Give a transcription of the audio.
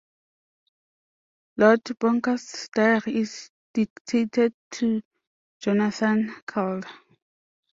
Lord Bonkers' Diary is dictated to Jonathan Calder.